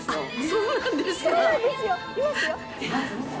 そうなんですか！